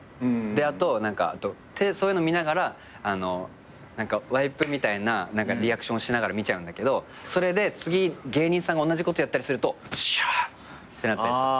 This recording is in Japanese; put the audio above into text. あとそういうの見ながらワイプみたいなリアクションしながら見ちゃうんだけどそれで次芸人さんが同じことやったりするとよっしゃ！ってなったりする。